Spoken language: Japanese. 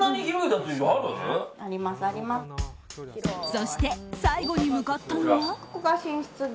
そして、最後に向かったのは。